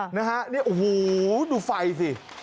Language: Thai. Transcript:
นะฮะนี่โอ้โหดูไฟสิ